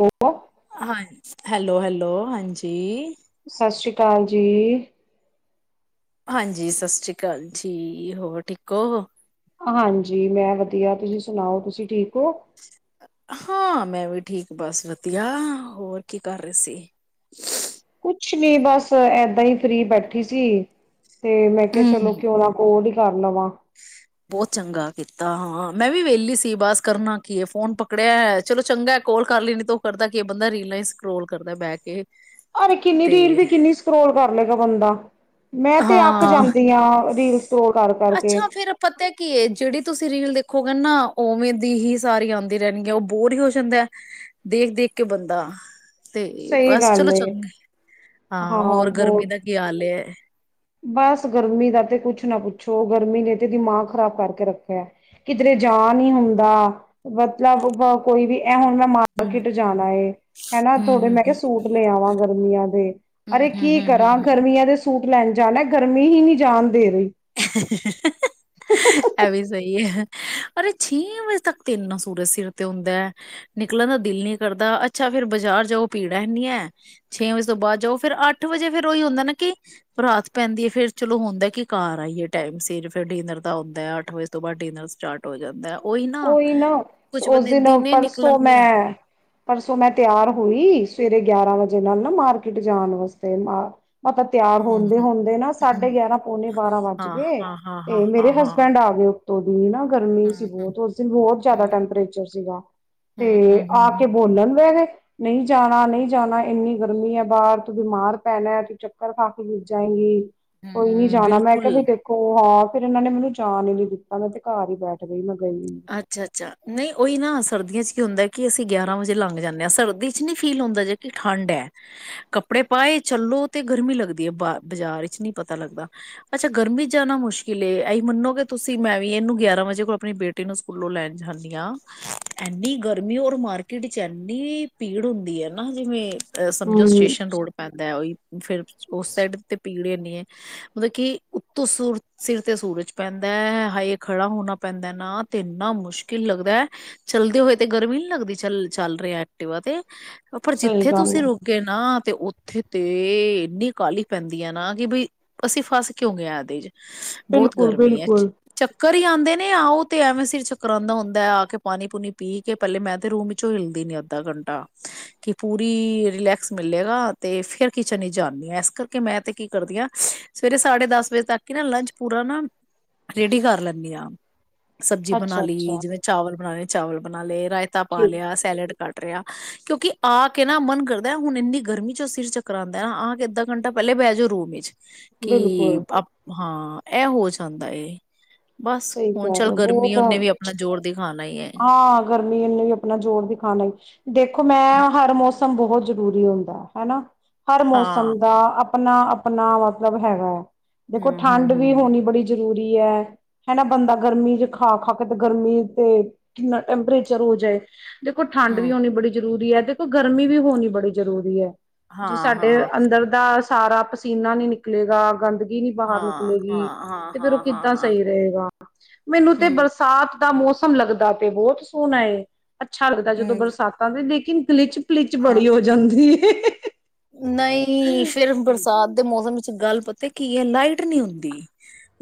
ਹੋ ਗਿਆ ਹਾਂ ਹੈਲੋ ਹੈਲੋ ਹਾਂਜੀ ਸਤਿ ਸ੍ਰੀ ਅਕਾਲ ਜੀ ਹਾਂਜੀ ਸਤਿ ਸ੍ਰੀ ਅਕਾਲ ਜੀ ਹੋਰ ਠੀਕ ਹੋ ਹਾਂਜੀ ਮੈਂ ਵਧੀਆ ਤੁਸੀਂ ਸੁਣਾਓ ਤੁਸੀਂ ਠੀਕ ਹੋ? ਹਾਂ ਮੈਂ ਵੀ ਠੀਕ ਬਸ ਵਧੀਆ ਹੋਰ ਕੀ ਕਰ ਰਹੀ ਸੀ ਨਹੀਂ ਬਸ ਏਦਾਂ ਹੀ ਫਰੀ ਬੈਠੀ ਸੀ ਤੇ ਮੈਂ ਕਿਹਾ ਚਲੋ ਹਮ ਕਿਉਂ ਕੋ ਕਰ ਲਵਾਂ ਬਹੁਤ ਚੰਗਾ ਕੀਤਾ ਹਾਂ ਮੈਂ ਵੀ ਵਿਹਲੀ ਸੀ ਬਸ ਕਰਨਾ ਕੀ ਫੋਨ ਪਕੜਿਆ ਚਲੋ ਚੰਗਾ ਕੋਲ ਕਰ ਲਈੈ ਨ ਤ ਉਹ ਕਰਦਾ ਕੀ ਬੰਦਾ ਰੀਲਾਂ ਹੀ ਸਕੋਲ ਕਰਦਾ ਬਹਿ ਕੇ ਅਰੇ ਕਿੰਨੀ ਰੀਲ ਤੇ ਦੀ ਕਿੰਨੀ ਸਕਰੋਲ ਕਰ ਲਏਗਾ ਬੰਦਾ ਮੈਂ ਤੇ ਅੱਕ ਹਾਂ ਜਾਂਦੀ ਹਾਂ ਰੀਲ ਸਕਰੋਲ ਕਰ ਕਰਕੇ ਅੱਛਾ ਕਰ ਕਰਕੇ ਉਹ ਕਹਿੰਦੇ ਨੇ ਨਾ ਉਵੇਂ ਦੀ ਹੀ ਸਾਰੀ ਆਉਂਦੀ ਰਹਿਣ ਹੈ ਉਹ ਬੋਰ ਹੀ ਹੋ ਜਾਂਦਾ ਦੇਖ ਦੇਖ ਕੇ ਬੰਦਾ ਤੇ ਸਹੀ ਬਸ ਗੱਲ ਚਲੋ ਏ, ਚੰਗੇ ਹਾਂ ਹੋਰ ਗਰਮੀ ਦਾ ਕੀ ਹਾਲ ਹੈ ਬਸ ਗਰਮੀ ਦਾ ਤੇ ਕੁਛ ਨਾ ਪੁੱਛੋ ਗਰਮੀ ਨੇ ਤੇ ਦਿਮਾਗ ਖ਼ਰਾਬ ਕਰਕੇ ਰੱਖਿਆ ਕਿਧਰੇ ਜਾ ਨਹੀਂ ਹੁੰਦਾ ਮਤਲਬ ਕੋਈ ਵੀ ਇਹ ਹੁਣ ਮੈਂ ਹਮ ਮਾਰਕੀਟ ਜਾਣਾ ਹਨਾ ਥੋੜੇ ਹਮ ਮੈਂ ਕਿਹਾ ਹਮ ਸੂਟ ਲਿਆਵਾਂ ਗਰਮੀਆਂ ਦੇ ਹਮ ਅਰੇ ਹਮ ਹਮ ਕੀ ਹਮ ਕਰਾਂ ਹਮ ਹਮ ਗਰਮੀਆਂ ਦੇ ਸੂਟ ਲੈਣੇ ਜਾਣਾ ਗਰਮੀ ਹੀ ਨਹੀਂ ਜਾਣ ਦੇ ਰਹੀ ਅਭ ਸਹੀ ਹੈ ਅਰੇ ਛੇ ਵਜੇ ਤੱਕ ਤੇ ਇੰਨਾ ਸੂਰਜ ਸਿਰ ਤੇ ਹੁੰਦਾ ਨਿਕਲਣ ਦਾ ਦਿਲ ਨੀ ਕਰਦਾ ਅੱਛਾ ਫੇਿਰ ਬਾਜ਼ਾਰ ਜਾਓ ਪੀੜਾ ਹੈਨੀ ਹੈ ਛੇ ਵਜੇ ਤੋਂ ਬਾਅਦ ਜਾਓ ਫੇਿਰ ਅੱਠ ਵਜੇ ਫੇਿਰ ਉਹੀ ਹੁੰਦਾ ਨਾ ਕਿ ਰਾਤ ਪੈਂਦੀ ਹੈ ਫੇਰ ਚਲੋ ਹੁੰਦਾ ਕੀ ਕਾਰ ਤਾਂ ਹੀ ਟਾਈਮ ਸਿਰਫ ਡਿਨਰ ਦਾ ਹੁੰਦਾ ਅੱਠ ਵਜੇ ਤੋਂ ਬਾਅਦ ਡਿਨਰ ਸਟਾਰਟ ਹੋ ਜਾਂਦਾ ਉਹੀ ਨਾ ਕੁਝ ਉਸ ਬੰਦੇ ਦਿਨ ਦਿਨੇ ਨਿਕਲਣ ਪਰਸੋਂ ਨਹੀਂ ਮੈਂ ਪਰਸੋਂ ਮੈਂ ਤਿਆਰ ਹੋਈ ਸਵੇਰੇ ਗਿਆਰਾਂ ਵਜੇ ਨਾਲ ਨਾ ਮਾਰਕੀਟ ਜਾਣ ਵਾਸਤੇ ਮ ਆਪਾਂ ਤਿਆਰ ਹਾਂ ਹੁੰਦੇ ਹੁੰਦੇ ਨਾ ਸਾਢੇ ਗਿਆਰਾਂ ਪੌਣੇ ਬਾਰਾਂ ਵੱਜ ਹਾਂ ਗਏ ਹਾਂ ਹਾਂ ਤੇ ਹਾਂ ਹਾਂ ਮੇਰੇ ਹਾਂ ਹਸਬੈਂਡ ਆ ਗਏ ੋਂ ਦੀ ਨਾ ਗਰਮੀ ਸੀ ਹਮ ਬਹੁਤ ਉਸ ਦਿਨ ਬਹੁਤ ਜਿਆਦਾ ਹਮ ਟੈਂਪਰੇਚਰ ਸੀਗਾ ਹਮ ਹਮ ਤੇ ਹਮ ਹਮ ਆ ਹਮ ਕੇ ਬੋਲਣ ਬਹਿ ਗਏ ਨਹੀਂ ਜਾਣਾ ਨਹੀਂ ਜਾਣਾ ਇੰਨੀ ਗਰਮੀ ਹੈ ਬਾਹਰ ਤੂੰ ਬਿਮਾਰ ਪੈਣਾ ਤੂੰ ਚੱਕਰ ਖਾ ਕੇ ਗਿਰ ਜਾਏਂਗੀ ਕੋਈ ਨੀ ਹਮ, ਜਾਣਾ, ਮੈਂ ਕਿਹਾ ਬਿਲਕੁਲ ਵੀ ਦੇਖੋ ਹਾਂ ਫੇਰ ਇਹਨਾਂ ਨੇ ਮੈਨੂੰ ਜਾਾਨ ਹੀ ਨੀ ਦਿੱਤਾ ਮੈਂ ਤੇ ਘਰ ਹੀ ਬੈਠ ਗਈ ਮ ਅੱਛਾ- ਅੱਛਾ ਨਹੀਂ ਉਹੀ ਨਾ, ਸਰਦੀਆਂ ਚ ਕੀ ਹੁੰਦਾ ਕਿ ਅਸੀਂ ਗਿਆਰਾਂ ਵਜੇ ਲੰਘ ਜਾਂਦੇ ਹਾਂ ਸਰਦੀ ਚ ਨੀ ਫੀਲ ਹੁੰਦਾ ਜੇ ਕਿ ਠੰਡ ਹੈ। ਕੱਪੜੇ ਪਾਏ ਚੱਲੋ ਤੇ ਗਰਮੀ ਲੱਗਦੀ ਹੈ ਬਾ ਬਾਜ਼ਾਰ ਚ ਨੀ ਪਤਾ ਲੱਗਦਾ ਅੱਛਾ ਗਰਮੀ ਚ ਜਾਣਾ ਮੁਸ਼ਕਿਲ ਏ ਇਸੀਂ ਮੰਨੋਗੇ ਤੁਸੀਂ ਮੈਂ ਵੀ ਇਹਨੂੰ ਗਿਆਰਾਂ ਵਜੇ ਕੋਲ ਆਪਣੀ ਬੇਟੀ ਨੂੰ ਸਕੂਲੋਂ ਲੈਣ ਜਾਂਦੀ ਹਾਂ। ਇੰਨੀ ਗਰਮੀ ਔਰ ਮਾਰਕੀਟ ਚ ਐੰਨੀ ਪੀੜ ਹੁੰਦੀ ਹੈ ਨਾ ਜਿਵੇਂ ਅ ਸਮਝੋ ਹੂੰ, ਸਟੇਸ਼ਨ ਰੋਡ ਪੈਂਦਾ ਹੈ। ਉਹੀ ਫੇਰ ਉਸ ਸਾਈਡ ਤੇ ਪੀੜੇ ਮਤਲਬ ਕਿ ਉੱਤੋਂ ਸੂਰ ਸਿਰ ਤੇ ਸੂਰਜ ਪੈਂਦਾ ਹੈ। ਹਾਏ! ਖੜਾ ਹੋਣਾ ਪੈਂਦਾ ਨਾ ਤੇ ਇੰਨਾ ਮੁਸ਼ਕਿਲ ਲੱਗਦਾ ਹੈ। ਚੱਲਦੇ ਹੋਏ ਤੇ ਗਰਮੀ ਨਹੀਂ ਲੱਗਦੀ ਚੱਲ -ਚੱਲ ਰਿਹਾ ਐਕਟਿਵਾ ਤੇ ਪਰ ਸਹੀ ਜਿੱਥੇ ਗੱਲ ਤੁਸੀਂ ਹੈ। ਰੁਕੇ ਨਾ ਤੇ ਉੱਥੇ ਤੇ, ਇੰਨੀ ਕਾਹਲੀ ਪੈਂਦੀ ਆ ਨਾ ਕਿ ਬਈ, ਅਸੀਂ ਫਸ ਕਿਉਂ ਗਏ ਇਹਦੇ ਚ ਬਹੁਤ ਗਰਮੀ ਹੈ। ਬਿਲਕੁਲ-ਬਿਲਕੁਲ। ਚ ਘਰ ਆਉਂਦੇ ਨੇ ਆ ਉਹ ਤੇ ਐਵੇਂ ਸਿਰ ਚੱਕਰ ਆਉਂਦਾ ਹੁੰਦਾ ਹੈ ਆ ਕੇ ਪਾਣੀ ਪੂਣੀ ਪੀ ਕੇ ਪਹਿਲੇ ਮੈਂ ਤੇ ਰੂਮ ਵਿਚੋਂ ਹਿਲਦੀ ਨ ਅੱਧਾ ਘੰਟਾ ਕਿ ਪੂਰੀ ਰਿਲੈਕਸ ਮਿਲਲੇਗਾ ਤੇ ਫਿਰ ਕਿਚਨ ਹੀ ਜਾਂਦੀ ਆ ਇਸ ਕਰਕੇ ਮੈਂ ਤੇ ਕੀ ਕਰਦੀ ਆਾਂ ਸਵੇਰੇ ਸਾਢੇ ਦਸ ਵਜੇ ਤੱਕ ਕੀ ਨਾ ਲੰਚ ਪੂਰਾ ਨਾ ਰੇਡੀ ਕਰ ਲੈਂਦੀ ਆ। ਸਬਜ਼ੀ ਬਣਾ ਲਈ, ਅੱਛਾ-ਅੱਛਾ, ਜਿਵੇਂ ਚਾਵਲ ਬਣਾਣੇ ਚਾਵਲ ਬਣਾ ਲੇ। ਰਾਇਤਾ ਪਾ ਠੀਕ ਲਿਆ। ਸੈਲਡ ਕੱਟ, ਰਿਹਾ ਕਿਉਂਕਿ ਆ ਕੇ ਨਾ ਮਨ ਕਰਦਾ ਹੁਣ ਇੰਨੀ ਗਰਮੀ ਚ ਉਹ ਸਿਰ ਚੱਕਰ ਆਉਂਦਾ ਨਾ ਆ ਕੇ ਅੱਧਾ ਘੰਟਾ ਪਹਿਲੇ ਬਹਿ ਜਾਓ ਰੂਮ ਵਿੱਚ। ਕਿ ਬਿਲਕੁਲ ਆਪ ਹਾਂ, ਇਹ ਹੋ ਜਾਂਦਾ ਏ - ਬਸ, ਸਹੀ ਹੁਣ ਕਹਿ ਚੱਲ ਰਹੇ ਹੋ ਗਰਮੀ ਬਹੁਤ ਉਹਨੇ ਵੀ ਆਪਣਾ ਜ਼ੋਰ ਦਿਖਾਣਾ ਹੈ। ਇਹਨੂੰ ਵੀ ਆਪਣਾ ਜ਼ ਜੋਰ ਦਿਖਾਉਣਾ ਦੇਖੋ ਮੈਂ, ਹਰ ਮੌਸਮ ਬਹੁਤ ਜ਼ਰੂਰੀ ਹੁੰਦਾ। ਹਨਾ, ਹਰ ਹਾਂ ਮੌਸਮ ਦਾ - ਆਪਣਾ- ਆਪਣਾ ਮਤਲਬ ਹੈਗਾ ਹੈ। ਦੇਖੋ ਹੂੰ ਹੂੰ ਠੰਡ ਵੀ ਹੂੰ ਹੋਣੀ ਬੜੀ ਜ ਜ਼ਰੂਰੀ ਹੈ। ਹਨਾ। ਬੰਦਾ ਗਰਮੀ ਚੇ ਖਾ- ਖਾ ਕੇ ਤੇ ਗਰਮੀ ਤੇ ਕਿੰਨਾ ਟੈਂਪਰੇਚਰ ਹੋ ਜਾਏ। ਦੇਖੋ ਠੰਡ ਵੀ ਹੂੰ ਹੋਣੀ ਬੜੀ ਜ਼ਰੂਰੀ ਹੈ ਦੇਖੋ ਗਰਮੀ ਵੀ ਹੋਣੀ ਬੜੀ ਜ਼ਰੂਰੀ ਹੈ। ਹਾਂ ਜੋ ਸਾਡੇ ਹਾਂ ਅੰਦਰ ਦਾ ਸਾਰਾ ਪਸੀਨਾ ਨੀ ਨਿਕਲੇਗਾ। ਗੰਦ ਨੀ ਹਾਂ ਬਾਹਰ ਹਾਂ ਨਿਕਲੇਗੀ ਹਾਂ ਤੇ ਫੇਰ ਉਹ ਹਾਂ ਹਾਂ ਕਿੱਦਾਂ ਹਾਂ ਸਹੀ ਹੋ [unintelligible] ਮੈਨੂੰ ਤੇ ਹੂੰ ਬਰਸਾਤ ਦਾ ਮੌਸਮ ਲੱਗਦਾ ਤੇ ਬਹੁਤ ਸੋਹਣਾ ਏ ਅੱਛਾ ਲੱਗਦਾ ਜਦੋਂ ਹੂੰ ਬਰਸਾਤਾਂ ਵੀ ਦੇਖ--‌ ਹਿੰਕਲੇ ਚ ਪਲਿਚ ਹਾਂ ਬੜੀ ਹੋ ਜਾਂਦੀ ਐ। [unintelligible] ਨਹੀਂ ਫਿਰ ਬਰਸਾਤ ਦੇ ਮੌਸਮ ਵਿੱਚ ਗੱਲ ਪਤਾ ਕੀ ਹੈ ਲਾਈਟ ਨਹੀਂ ਹੁੰਦੀ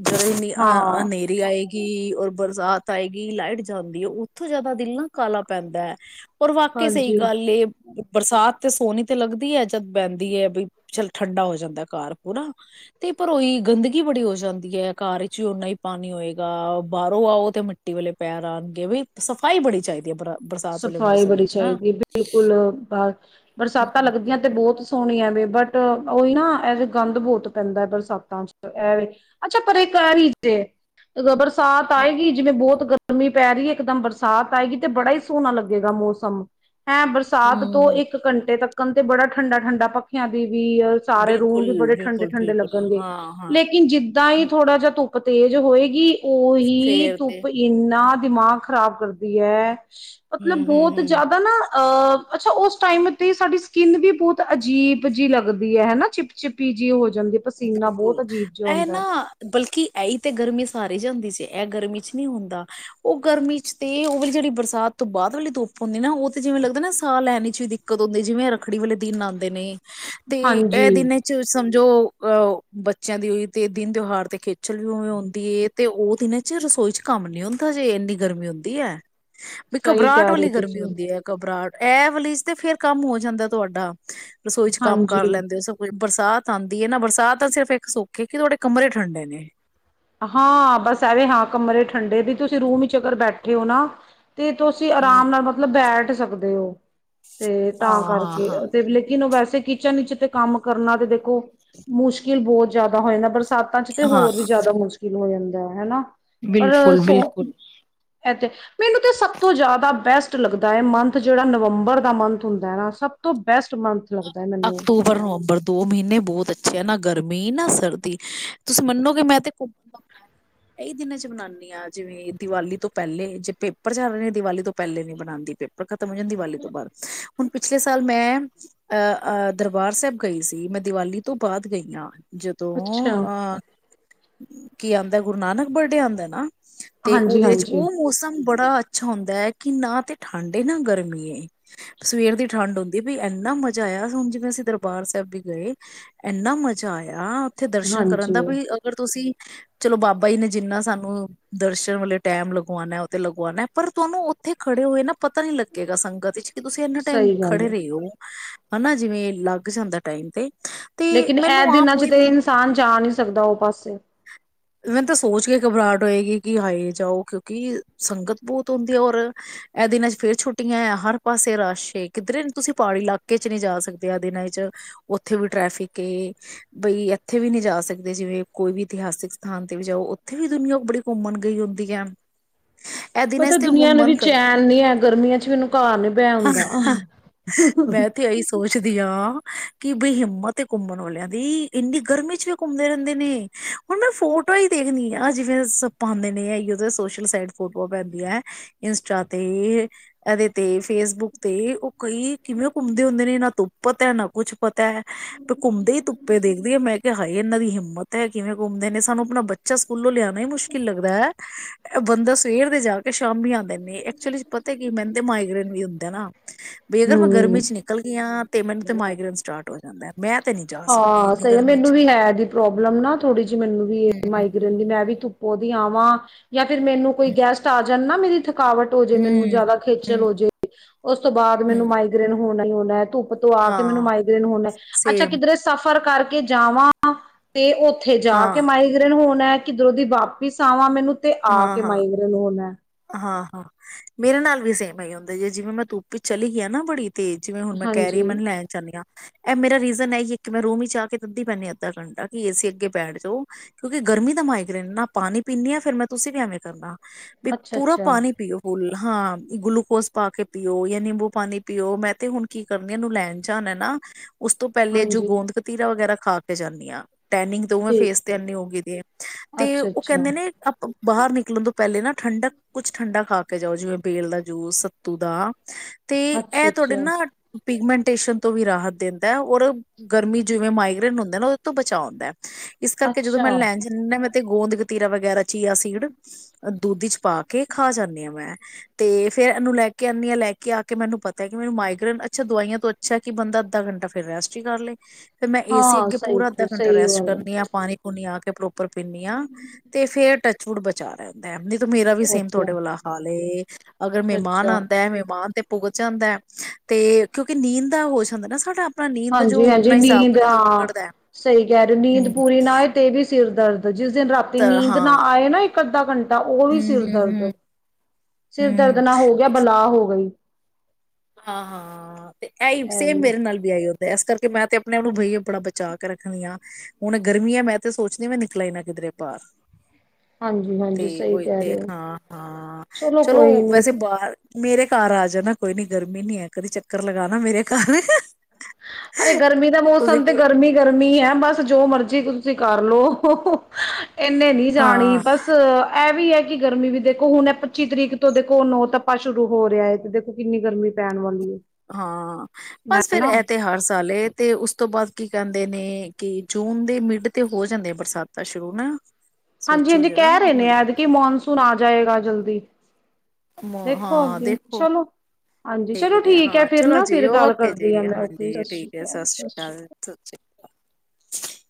[unintelligible] ਹਾਂ, ਅਨੇਰੀ ਆਏ ਕਿ ਔਰ ਬਰਸਾਤ ਆਏਗੀ। ਲਾਈਟ ਜਾਂਦੀ ਐ। ਉੱਥੇ ਜਿਆਦਾ ਦਿਲ ਨਾ ਕਾਅਲਾ ਪੈਂਦਾ ਐ। ਔਰ ਵਾਕਈ ਸਹੀ ਹਾਂਜੀ। ਗੱਲ ਏ ਬਰਸਾਤ ਤੇ ਸੋਹਣੀ ਤੇ ਲੱਗਦੀ ਐ ਬਹਿੰਦੀ ਐ ਬਈ ਚੱਲ ਠੰਡਾ ਹੋ ਜਾਂਦਾ ਘਰ ਪੂਰਾ ਤੇ ਪਰ ਉਈ ਗੰਦਗੀ ਬੜੀ ਹੋ ਜਾਂਦੀ ਐ, ਘਰ ਇੱਚ ਵੀ ਓਨਾਂ ਈ ਪਾਣੀ ਹੋਏਗਾ। ਬਾਹਰੋਂ ਆਓ ਤੇ ਮਿੱਟੀ ਵਾਲੇ ਪੈਰ ਆਣਗੇ ਵੀ ਸਫ਼ਾਈ ਬੜੀ ਚਾਹੀਦੀ ਹੈ ਬ ਸਫ਼ਾਈ ਬੜੀ ਚਾਈਦੀ ਐ। ਬਿਲਕੁਲ ਬ ਬਰਸਾਤਾਂ ਲੱਗਦੀਆਂ ਤੇ ਬਹੁਤ ਸੋਹਣੀਆਂ ਵੀ ਬਟ ਉਹੀ ਨਾ ਐਜੇ ਗੰਦ ਬੋਤ ਪੈਂਦਾ ਬਰਸਾਤਾਂ ਚ ਇਹਵੇ ਅੱਛਾ ਪਰਕਾਰੀ ਜੇ ਬਰ ਸਾਥ ਹਾਂ, ਆਏਗੀ ਜਿਵੇਂ ਬਹੁਤ ਗਰਮੀ ਪੈ ਰਹੀ ਐ। ਇੱਕ ਦਮ ਬਰਸਾਤ ਆਏਗੀ ਤੇ ਬੜਾ ਹੀ ਸੋਹਣਾ ਲੱਗੇਗਾ ਮੌਸਮ। ਹੈਂ ਬਰਸਾਤ ਤੋਂ ਹਮ ਇੱਕ ਘੰਟੇ ਤੱਕ ਕੈਂਦੇ ਬੜਾ ਠੰਡ-ਠੰਡਾ ਪੱਖਿਆਂ ਦੀ। ਵੀ ਸਾਰੇ ਰੂਮ ਬਿਲਕੁਲ, ਵੀ ਬੜੇ ਬਿਲਕੁਲ, ਠੰਡੇ-ਠੰਡੇ ਬਿਲਕੁਲ, ਲੱਗਣਗੇ ਹਾਂ-ਹਾਂ, ਲੇਕਿਨ ਜਿੱਦਾਂ ਹੀ ਥੋੜਾ ਜਿਹਾ ਧੁੱਪ ਤੇਜ ਹੋਏਗੀ। ਉਹੀ ਫੇਰ ਤੇ ਧੁੱਪ ਇੰਨਾਂ ਦਿਮਾਗ ਖ਼ਰਾਬ ਕਰਦੀ ਐ। ਮਤਲਬ ਬਹੁਤ ਹੂੰ-ਹੂੰ-ਹੂੰ, ਜ਼ਿਆਦਾ ਨਾ ਅ ਅੱਛਾ ਉਸ ਟਾਈਮ ਤੇ ਸਾਡੀ ਸਕਿੰਨ ਵੀ ਬਹੁਤ ਅਜੀਬ ਜਿਹੀ ਲੱਗਦੀ ਹੈਨਾ! ਚਿਪ ਚਿਪੀ ਜਿਹੀ ਉਹ ਬਿਲਕੁਲ ਇਹ ਨਾ ਬਲਕਿ ਐਹੀ ਤੇ ਗਰਮੀ ਸਾਰੀ ਜਾਂਦੀ ਜੇ ਇਹ ਗਰਮੀ ਚ ਨ੍ਹੀਂ ਹੁੰਦਾ ਉਹ ਗਰਮੀ ਚ ਤੇ ਉਹ ਵੀ ਜਿਹੜੀ ਬਰਸਾਤ ਤੋਂ ਬਾਅਦ ਵਾਲੀ ਧੁੱਪ ਹੁੰਦੀ ਨਾ ਉਹ ਤੇ ਜਿਵੇਂ ਲੱਗਦਾ ਨਾ ਸਾਹ ਲੈਣ ਚ ਵੀ ਦਿੱਕਤ ਹੁੰਦੀ ਜਿਵੇਂ ਰੱਖੜੀ ਵਾਲੇ ਦਿਨ ਆਉਂਦੇ ਨੇ ਤੇ ਇਹ ਹਾਂਜੀ, ਦਿਨ ਚ ਸਮ ਜੋ ਅ ਔਹ ਬੱਚਿਆਂ ਦੀ ਹੋਈ ਤੇ ਦਿਨ ਤਿਉਹਾਰ ਤੇ ਖੇਚਲ ਵੀ ਆਂਊਂਦੀ ਹੈਏ ਤੇ ਉਹ ਦਿਨ ਚ ਰਸੋਈ ਚ ਕੰਮ ਨੀਂ ਹੁੰਦਾ ਜੇ ਇੰਨੀ ਗਰਮੀ ਹੁੰਦੀ ਐ। ਵੀ ਸਹੀ ਘਬਰਾਹਟ ਕਹਿ ਰਹੇ ਵਾਲੀ ਹੋ ਗਰਮੀ ਤੁਸੀਂ ਹੁੰਦੀ ਏ ਘਬਰਾਹਟ ਐਹ ਵਾਲੀਜ਼ ਤੇ ਫੇਰ ਕੰਮ ਹੋ ਜਾਂਦਾ ਤੁਹਾਡਾ ਰਸੋਈ ਚ ਕੰਮ ਕਰ ਹਾਂਜੀ। ਲੈਂਦੇ ਹੋ ਸਭ ਕੁਝ ਬਰਸਾਤ ਆਉਂਦੀ ਹੈ ਨਾ ਬਰ ਤਾਂ ਤਾਂ ਸਿਰਫ ਇੱਕ ਸੁਖੇ ਕਿ ਤੁਹਾਡੇ ਕਮਰੇ ਠੰਡੇ ਨੇ ਹਾਂ ਬ ਤੇ ਤੁਸੀਂ ਆ ਹਮ ਉੱਠ ਸਕਦੇ ਹੋ ਤੇ ਤਾਂ ਹਾਂ ਕਰਕੇ ਹਾਂ ਤੇ ਲੇਕਿਨ ਉਹ ਵੈ ਕਿਚਨ ਵਿਚ ਤੇ ਸਾਤਾਂ ਚ ਤੇ ਹਾਂ ਹਾਂ ਹੋਰ ਵੀ ਜ਼ਿਆਦਾ ਮੁ ਹੋ ਜਾਂਦਾ [unintelligible] ਹਨਾ ਪਰ ਬਿਲਕੁਲ ਸੋ ਬਿਲਕੁਲ ਇਥ ਮੈਨੂੰ ਤੇ ਸਭ ਤੋਂ ਜ਼ਿਆਦਾ ਬੈਸਟ ਲੱਗਦਾ ਹੈ ਅਕ ਮੈਨੂੰ। ਗਰਮੀ ਨਾ ਸਰਦੀ ਤੁਸੀਂ ਮੰਨੋਗੇ ਮੈਂ ਤੇ ਘੁੰਮਣ ਦਾ ਪੈ ਇਹੀ ਦਿਨਾਂ ਚ ਬਨਾਉਂਦੀ ਹਾਂ ਜਿਵੇਂ ਦੀਵਾਲੀ ਤੋਂ ਪਹਿਲੇ ਜੇ ਪੇਪਰ ਚ ਰਹੇ ਨੇ ਦੀਵਾਲੀ ਤੋਂ ਪਹਿਲੇ ਨੀ ਬਣਾਉਂਦੀ ਪੇਪਰ ਝਣ [unintelligible] ਦੀਵਾਲੀ ਤੋਂ ਬਾਦ ਹੁਣ ਪਿਛਲੇ ਸਾਲ ਮੈਂ ਅ ਅ ਦਰਬਾਰ ਸਾਹਿਬ ਗਈ ਸੀ ਮੈਂ ਦੀਵਾਲੀ ਤੋਂ ਜਦੋਂ ਅੱਛਾ। ਅਹ ਕੀ ਆਉਂਦਾ ਗੁਰੂ ਨਾਨਕ ਵਰਡੇ ਆਂਦਾ ਨਾ ਤੇ ਹਾਂਜੀ ਉਹਦੇ ਵਿੱਚ ਹਾਂਜੀ ਉਹ ਮੌਸਮ ਬੜਾ ਅ ਅੱਛਾ ਹੁੰਦਾ ਹੈ ਕਿ ਨਾ ਤੇ ਠੰਡ ਏ ਨਾ ਗਰਮੀ ਏ ਸਵੇਰ ਦੀ ਠੰਡ ਹੁੰਦੀ ਬ ਇੰਨਾ ਮਜ਼ਾ ਆਇਆ ਹੁਣ ਜਿਵੇਂ ਅਸੀਂ ਦਰਬਾਰ ਸਾਹਿਬ ਵੀ ਗਏ ਇੰਨਾ ਮਜ਼ਾ ਆਇਆ ਉੱਥੇ ਦਰਸ਼ਨ ਕਰਨ ਦਾ ਹਾਂਜੀ ਵੀ ਅਗਰ ਤੁਸੀਂ ਚਲੋ ਬਾਬਾ ਜੀ ਨੇ ਜਿੰਨਾ ਸਾਨੂੰ ਦਰਸ਼ਨ ਵਾਲੇ ਟੈਮ ਲਗਵਾਉਣਾ ਉਹ ਤੇ ਲਗਵਾਉਣਾ ਐ ਪਰ ਤੁਹਾਨੂੰ ਉੱਥੇ ਖੜੇ ਹੋਏ ਨਾ ਪਤਾ ਨੀ ਲੱਗੇਗਾ ਸੰਗਤ ਵਿੱਚ ਕਿ ਤੁਸੀਂ ਇਨਾ ਟਾਈਮ ਸਹੀ ਗੱਲ ਖੜੇ ਹੈ। ਰਹੇ ਹੋ ਹਨਾ ਜਿਵੇਂ ਲੱਗ ਜਾਂਦਾ ਟਾਈਮ ਤੇ ਤੇ ਲੇਕਿਨ ਐਹ ਮੈਨੂੰ ਆਪ ਦਿਨਾਂ ਚ ਤੇ ਉਹੀ ਇਨਸਾਨ ਜਾ ਨਹੀਂ ਸਕਦਾ ਉਹ ਪਾ ਮੈਨੂੰ [unintelligible] ਤਾਂ ਸੋਚ ਕੇ ਘਬਰਾਹਟ ਹੋਏਗੀ ਕਿ ਹਾਏ ਜਾਓ ਕਿਉਂਕਿ ਸੰਗਤ ਬਹੁਤ ਹੁੰਦੀ ਹੈ ਔਰ ਇਹ ਦਿਨਾਂ ਚ ਫੇਰ ਛੁੱਟੀਆਂ ਆ ਹਰ ਪਾਸੇ ਰਸ਼ ਏ ਕਿੱਧਰੇ ਤੁਸੀਂ ਪਹਾੜੀ ਇਲਾਕੇ ਚ ਨਹੀਂ ਜਾ ਸਕਦੇ ਇਹ ਦਿਨਾਂ ਚ ਉੱਥੇ ਵੀ ਟ੍ਰੈਫਿਕ ਏ ਬਈ ਇੱਥੇ ਵੀ ਨਹੀਂ ਜਾ ਸਕਦੇ ਜਿਵੇਂ ਕੋਈ ਵੀ ਇਤਿਹਾਸਿਕ ਸਥਾਨ ਤੇ ਵੀ ਜਾਓ ਉੱਥੇ ਵੀ ਦੁਨੀਆਂ ਬੜੀ ਘੁੰਮਣ ਗਈ ਹੁੰਦੀ ਹੈ ਇਹ ਦਿਨਾਂ ਪਤਾ ਚ ਤੇ ਹੁਣ ਦੁਨੀਆਂ ਨੂੰ ਵੀ ਮਨ ਚੈਨ ਨੀ ਹੈ ਗਰਮੀਆਂ ਚ ਮੈਨੂੰ ਘਰ ਨੀ ਬੈ ਹੁੰਦਾ ਕਰਦਾ [unintelligible] ਆ ਕਿ ਬਈ ਹਿੰਮਤ ਘੁੰਮਣ ਵਾਲਿਆਂ ਦੀ ਇੰਨੀ ਗਰਮੀ ਚ ਵੀ ਘੁੰਮਦੇ ਰਹਿੰਦੇ ਨੇ ਹੁਣ ਫੋਟੋਆਂ ਹੀ ਦੇਖਦੀ ਆ ਜਿਵੇਂ ਆਪਾਂ ਆਂਦੇ ਨੇਓ ਸੋਸ਼ਲ ਸਾਈਟ ਫੋਟੋਆਂ ਪੈਂਦੀਆਂ ਇੰਸਟਾ ਤੇ ਇਹਦੇ ਤੇ ਫੇਸਬੁੱਕ ਤੇ ਉਹ ਕਈ ਕਿਵੇਂ ਘੁੰਮਦੇ ਹੁੰਦੇ ਨੇ ਨਾ ਤੁੱਪਤ ਹੈ ਨਾ ਕੁਛ ਪ ਤੈ ਇਹਨਾਂ ਦੀ ਹਿੰਮਤ ਏ ਕਿਵੇਂ ਘੁੰਮਦੇ ਨੇ ਸ ਸਾਨੂੰ ਆਪਣਾ ਬੱਚਾ ਸਕੂਲੋਂ ਲਿਆਨਾ ਈ ਮੁਸ਼ਕਿਲ ਲੱਗਦਾ ਏ। ਬੰਦਾ ਸਵੇਰ ਦੇ ਜਾ ਕੇ ਸ਼ਾ ਸ਼ਾਮੀ ਆਂਦੇ ਨੇ ਐਕਚੁਲੀ ਪਤਾ ਐ ਕੀ ਮੈਨੂੰ ਤੇ ਮਾਈਗਰੇਨ ਵੀ ਹੁੰਦੇ ਐ ਨਾ। ਬਈ ਅਗਰ ਮੈਂ ਗਰਮੀ ਹਮ ਚ ਨਿਕਲ ਗੀ ਆਂ। ਤੇ ਮੈਨੂੰ ਤੇ ਮਾਈਗ੍ਰਨ ਸਟਾਰਟ ਜਾਂਦਾ ਏ। ਹਾਂ ਸਹੀ ਗੱਲ ਮੈਨੂੰ ਵੀ ਹੈ ਇਹਦੀ ਪ੍ਰੋਬਲਮ ਨਾ ਥੋੜ੍ਹੀ ਜੀ ਮੈਨੂੰ ਵੀ ਏ। ਹਮ ਮਾਈਗ੍ਰੇਨ ਦੀ ਮੈਂ ਵੀ ਤੁੁੱਪੋ ਦੀ ਆਵਾਂ। ਯਾ ਫ਼ਿਰ ਮੈਨੂੰ ਕੋਈ ਹਮ ਗੈਸਟ ਆ ਜਨਾ ਮੇਰੀ ਥ ਰੁਕਾਵਟ ਹੋਜੇ ਮੈਨੂੰ ਹਮ ਜਿਆਦਾ ਖੇਚਲ ਹਮ ਹੋਜੇ, ਉਸ ਤੋਂ ਬਾਦ ਮੈਨੂੰ ਹਮ ਮਾਈਗ੍ਰੇਨ ਹੋਣਾ ਈ ਹੋਣਾ ਧੁੱਪ ਉਤੋਂ ਆ ਕੇ ਮੈਨੂੰ ਹਾਂ ਮਾਈਗ੍ਰੇਨ ਹੋਨਾ, ਅੱਛਾ। ਸੇਮ ਸਫ਼ਰ ਕਰਕੇ ਜਾਵਾਂ ਤੇ ਉ ਉਥੇ ਜਾ ਹਾਂ ਕੇ ਮਾਈਗ੍ਰਨ ਹੋਨਾ। ਕਿਧਰੋਂ ਦੀ ਵਾਪਿਸ ਆਵਾ ਮੈਨੂੰ ਤੇ ਆ ਹਾਂ ਕੇ ਹਾਂ ਮਾਈਗ੍ਰੇਨ ਹੋਨਾ। ਹਾਂ, ਹਾਂ ਮੇਰੇ ਨਾਲ ਵੀ ਸੇਮ ਏਈ ਹੁੰਦਾ ਏ ਜੇ ਜਿਵੇਂ ਮੈਂ ਧੂੱਪ ਵਿੱਚ ਚਲੀ ਗਈ ਆ ਨਾ ਬੜੀ ਤੇ ਜਿਵੇਂ ਹੁਨ ਮੈਂ ਕਹਿ ਰੀ ਹਾਂਜੀ ਮੈਨੂੰ ਲੈਨ ਚਾਹਨੀ ਆਂ ਇਹ ਮੇਰਾ ਰੀਜ਼ਨ ਐਈਏ ਇੱਕ ਮੈਂ ਰੂਮ ਵਿੱਚ ਆ ਕੇ [unintelligible] ਪੈਂਨੀ ਆ ਅੱਧਾ ਘੰਟਾ। ਕਿ ਏਸੀ ਅੱਗੇ ਬੈਠ ਜੋ ਕਿਉਂਕਿ ਗਰਮੀ ਦਾ ਮਾਈਗਰੇੇਨ ਨਾ ਪਾਨੀ ਪੀਂਨੀ ਆ ਫੇਰ ਮੈਂ ਤੁਸੀਂ ਵੀ ਐਵੇਂ ਕਰਨਾ। ਵੀ ਅੱਛਾ ਪੂਰਾ ਅੱਛਾ ਪਾਨੀ ਪੀਓ ਫੂਲ। ਹਾਂ ਗਲੂਕੋਜ ਪਾ ਕੇ ਪੀਓ ਯਾ ਨਿੰਬੂ ਪਾਣੀ ਪੀਓ ਮੈਂ ਤੇ ਹੁਣ ਕੀ ਕਰਨੀ ਅ ਇਹਨੂੰ ਲੈਣ ਜਾਨਾ ਏ ਨਾ ਉਸ ਤੋਂ ਪਹਿਲੇ ਜੋ ਹਾਂਜੀ ਗੋਂਦ ਕਤੀਰਾ ਵਗੈਰਾ ਖਾ ਕੇ ਜਾਂਨੀ ਆਂ। ਟੈਨਿੰਗ ਤੇ ਓਵੇ ਫੇਸ ਠੀਕ ਤੇ ਹੈ ਏਨੀ ਹੋ ਗਈ ਦੀ ਏ ਤੇ ਅੱਛਾ ਉਹ ਅੱਛਾ ਕਹਿੰਦੇ ਨੇ ਆਪ ਬਾਹਰ ਨਿਕਲਨ ਤੋਂ ਪਹਿਲੇ ਨਾ ਠੰਡਕ ਕੁਛ ਠੰਡਾ ਖਾ ਕੇ ਜਾਓ ਜਿਵੇਂ ਬੇਲ ਦਾ ਜੂਸ ਸੱਤੂ ਦਾ ਤੇ ਅੱਛਾ ਇਹ ਤੁਹਾਡੇ ਅੱਛਾ ਨਾ ਪਿਗਮੈਂਟੇਸ਼ਨ ਤੋਂ ਵੀ ਰਾਹਤ ਦਿੰਦਾ ਔਰ ਗਰਮੀ ਜਿਵੇਂ ਮਾਈਗ੍ਰੇਨ ਹੁੰਦਾ ਏ ਨਾ ਉਹਦੇ ਤੋਂ ਬਚਾਉਂਦਾਏ। ਇਸ ਕਰਕੇ ਜਦੋਂ ਮੈਂ ਅੱਛਾ ਲੈਨ ਜਾਂਨੀ ਨਾ ਮੈਂ ਤੇ ਗੋਂਦ ਕਤੀਰਾ ਵਗੈਰਾ ਚੀਆ ਸੀਡ ਅਦ ਦੁੱਧ ਈਚ ਪਾ ਕੇ ਖਾ ਜਾਂਨੀ ਆਂ ਮੈਂ ਤੇ ਫੇਰ ਇਹਨੂੰ ਲੈ ਕੇ ਆਨੀ ਆਂ ਲੈ ਕੇ ਆ ਕੇ ਮੈਨੂੰ ਪਤਾ ਕਿ ਮੈਨੂੰ ਮਾਈਗ੍ਰੇਨ ਅੱਛਾ ਦਵਾਈਆਂ ਤੋਂ ਅੱਛਾ ਕਿ ਬੰਦਾ ਅੱਧਾ ਘੰਟ ਫੇਰ ਰੈਸਟ ਈ ਕਰ ਲਏ। ਫਿਰ ਮੈਂ ਏ ਸੀ ਹਾਂ ਅੱਗੇ ਪੂਰਾ ਅੱਧਾ ਸਹੀ ਘੰਟਾ ਸਹੀ ਰੈਸਟ ਗੱਲ ਹੈ ਕਰਨੀ ਆ, ਪਾਣੀ ਪੂਣੀ ਆ ਕੇ [unintelligible] ਉੱਪਰ ਪੀਨੀਆ ਤੇ ਫੇਰ ਟੱਚ ਚੁੜ ਬਚਾ ਰਹੇ [unintelligible] ਮੇਰਾ ਵੀ ਸੇਮ ਓਕੇ ਤੁਹਾਡੇ ਵਾਲਾ ਹਾਲ ਏ, ਅਗਰ ਅੱਛਾ ਮਹਿਮਾਨ ਅੱਛਾ ਆਉਂਦਾ ਹੈ ਮਹਿਮਾਨ ਤੇ ਪੁਗ ਜਾਂਦਾ ਤੇ ਕਿਉਂਕਿ ਨੀਂਦ ਦਾ ਹੋ ਜਾਂਦਾ ਨਾ ਸਾਡਾ ਆਪਣਾ ਨੀਂਦ ਦਾ ਜੋ ਹਾਂਜੀ ਹਾਂਜੀ ਆਪਣਾ ਹਿਸਾਬ ਨੀਂਦ ਬਣੇ ਤਾਂ ਉਹ ਹਾਂ ਨਿਕੜਦਾ ਹੈ। ਸਹੀ ਕਹਿ ਰਹੇ, ਨੀਂਦ ਪੂਰੀ ਨਾਏ ਤੇ ਵੀ ਸਿਰ [unintelligible] ਜਿਸ ਦਿਨ ਰਾਤੀ ਤਾਂ ਨੀਂਦ ਨਾ ਹਾਂ ਆਏ ਨਾ ਇੱਕ ਅੱਧਾ ਘੰਟਾ, ਉਹ ਵੀ ਹੂੰ ਸਿਰ ਹੂੰ ਦਰਦ ਹੂੰ ਸਿਰ ਦਰਦ ਹੂੰ ਨਾ ਹੋ ਗਿਆ ਬਲਾ ਹੋ ਗਈ ਹਾਂ ਹਾਂ ਤੇ ਐਈ, ਸੇਮ ਐਵੇਂ ਮੇਰੇ ਨਾਲ ਵੀ ਐਹੀ ਔ ਇਸ ਕਰਕੇ ਮੈਂ ਤੇ ਆਪਣੇ ਆਪ ਨੂੰ ਬਈ ਬੜਾ ਬਚਾ ਕੇ ਰੱਖਦੀ ਆ, ਹੁਣ ਗਰਮੀ ਆ ਮੈਂ ਤੇ ਸੋਚਦੀ ਮੈਂ ਨਿਕਲਾ ਇਨਾ ਕਿਧਰੇ ਬਾਹਰ ਹਾਂਜੀ-ਹਾਂਜੀ ਤੇ ਸਹੀ ਔਹੀ ਕਹਿ ਤੇ, ਰਹੇ ਹੋ ਹਾਂ ਹਾਂ ਚਲੋ ਕੋਈ ਨੀ ਵੈਸੇ ਬਾਹਰ ਮੇਰੇ ਘਰ ਆ ਜਾਣਾ ਕੋਈ ਨੀ ਗਰਮੀ ਨੀ ਹੈ, ਕਦੀ ਚੱਕਰ ਲਗਾ ਨਾ ਮੇਰੇ ਘਰ ਅਰੇ ਗਰਮੀ ਦਾ ਤੁਸੀਂ ਮੌਸਮ, ਤੇ ਗਰਮੀ ਗਰਮੀ ਹੈ, ਬਸ ਜੋ ਮਰਜ਼ੀ ਜੀ ਤੁਸੀਂ ਕਰ ਲਓ ਇਨੇ ਨਹੀਂ ਹਾਂ ਜਾਣੀ ਬਸ ਐ ਵੀ ਹੈ ਕਿ ਗਰਮੀ ਵੀ ਦੇਖੋ ਹੁਣ ਇਹ ਪੱਚੀ ਤਰੀਕ ਤੋਂ ਦੇਖੋ ਨੌਤੱਪਾ ਸ਼ੁਰੂ ਹੋ ਰਿਹਾ ਹੈ ਤੇ ਦੇਖੋ ਕਿੰਨੀ ਗਰਮੀ ਪੈਣ ਵਾਲੀ ਹੈ ਹਾਂ, ਬਸ ਫਿਰ ਹਨਾ ਇਥੇ ਹਰ ਸਾਲ ਐ ਤੇ ਉਸ ਤੋਂ ਬਾਅਦ ਕੀ ਕਹਿੰਦੇ ਨੇ ਕਿ ਜੂਨ ਦੇ ਮਿਡ ਤੇ ਹੋ ਜਾਂਦੇ ਆ ਬਰਸਾਤਾਂ ਸ਼ੁਰੂ ਨਾ ਹਾਂਜੀ ਸੋਚੋ ਹਾਂਜੀ ਜਰਾ ਕਹਿ ਰਹੇ ਹੋ ਨੇ, ਐਦ ਕੀ ਜਾਂਦਾ ਮੌਨਸੂਨ ਆ ਜਾਏਗਾ ਜਲਦੀ ਈ ਹਾਂ ਦੇਖੋ ਹਾਂਜੀ ਚਲੋ ਦੇਖਦੇ ਆ, ਠੀਕ ਹੈ ਹਾਂ ਫਿਰ ਚਲੋ ਨਾ ਜੀ ਫਿਰ ਗੱਲ ਔਕੇ ਜੀ ਕਰਦੀ ਆ ਮੈਂ ਓਕੇ ਹਾਂਜੀ ਸਤਿ ਸ਼੍ਰੀ ਠੀਕ ਹੈ, ਅਕਾਲ ਸਤਿ ਸ਼੍ਰੀ ਅਕਾਲ ਸਤਿ ਸ੍ਰੀ ਅਕਾਲ